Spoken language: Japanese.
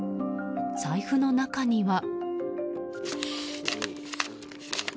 財布の中には。